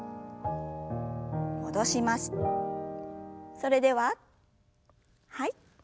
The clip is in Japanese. それでははい。